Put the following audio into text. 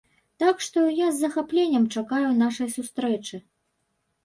Так што, я з захапленнем чакаю нашай сустрэчы.